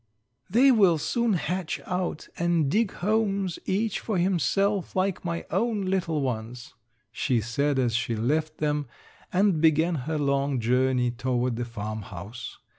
"They will soon hatch out and dig homes each for himself like my own little ones," she said as she left them and began her long journey toward the farmhouse.